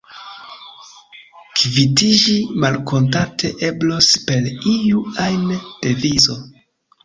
Kvitiĝi malkontante eblos per iu ajn devizo.